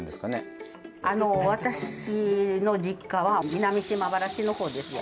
あの私の実家は南島原市の方ですよ。